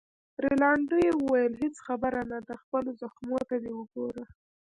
رینالډي وویل: هیڅ خبره نه ده، خپلو زخمو ته دې وګوره.